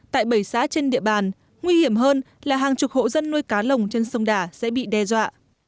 tại bảy xã trên địa bàn nguy hiểm hơn là hàng chục hộ dân nuôi cá lồng trên sông đà sẽ bị đe dọa